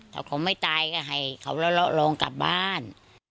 ถ้าเขาไม่ตายก็ให้เขาลองกลับบ้าน